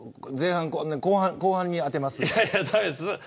後半に当てますよ。